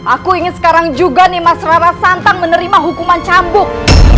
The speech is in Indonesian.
aku ingin sekarang juga nih mas rara santang menerima hukuman cambuk